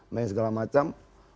dan segala macam